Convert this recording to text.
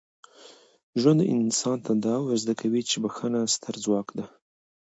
ژوند انسان ته دا زده کوي چي بخښنه ستره ځواک ده.